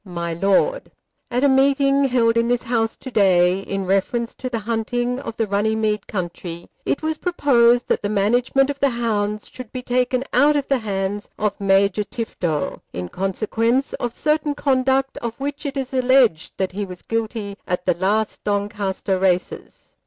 MY LORD, At a meeting held in this house to day in reference to the hunting of the Runnymede country, it was proposed that the management of the hounds should be taken out of the hands of Major Tifto, in consequence of certain conduct of which it is alleged that he was guilty at the last Doncaster races.